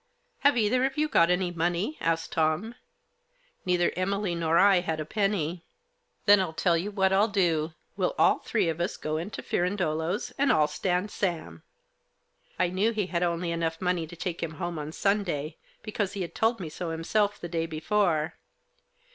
" Have either of you got any money ?" asked Tom. Neither Emily nor I had a penny. " Then Fll tell you what Fll do ; we'll all three of us go into Firandolo's, and Fll stand Sam." I knew he had only enough money to take him home on Sunday, because he had told me so himself the day before.